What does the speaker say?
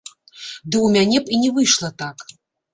Ды ў мяне б і не выйшла так.